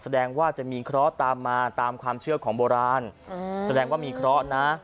แสดงว่าจะมีเคราะห์ตามมาตามความเชื่อของโบราณแสดงว่ามีเคราะห์นะ